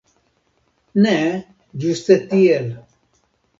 Ne, ĝuste tiel.